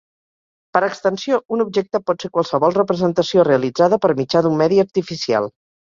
Per extensió, un objecte pot ser qualsevol representació realitzada per mitjà d'un medi artificial.